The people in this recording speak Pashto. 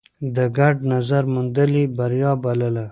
د ګډ نظر موندل يې بريا بلله.